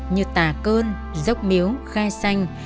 như tà cơn dốc miếu khai xanh